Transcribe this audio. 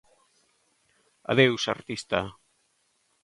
Adeus, artista!